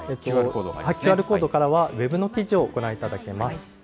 ＱＲコードからはウェブの記事をご覧いただけます。